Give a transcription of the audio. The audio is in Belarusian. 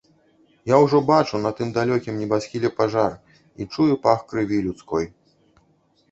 Я ўжо бачу на тым далёкім небасхіле пажар і чую пах крыві людской.